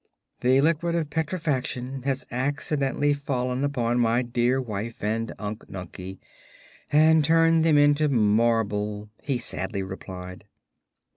"The Liquid of Petrifaction has accidentally fallen upon my dear wife and Unc Nunkie and turned them into marble," he sadly replied.